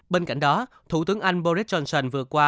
bên cạnh đó thủ tướng anh boris johnson vừa qua